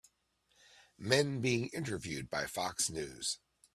Men being interviewed by Fox News